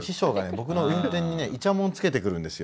僕の運転にねいちゃもんつけてくるんですよ。